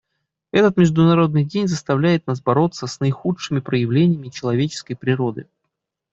Этот Международный день заставляет нас бороться с наихудшими проявлениями человеческой природы.